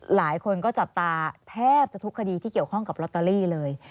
หลายคนก็จับตาแทบจะทุกคดีที่เกี่ยวข้องกับลอตเตอรี่เลย